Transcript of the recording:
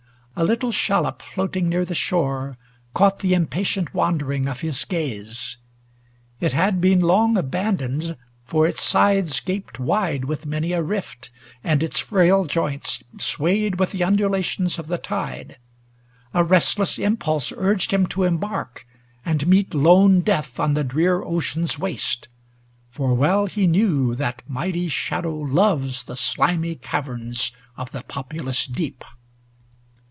A little shallop floating near the shore Caught the impatient wandering of his gaze. 300 It had been long abandoned, for its sides Gaped wide with many a rift, and its frafl joints Swayed with the undulations of the tide. A restless impulse urged him to embark And meet lone Death on the drear ocean's waste; For well he knew that mighty Shadow loves The slimy caverns of the populous deep.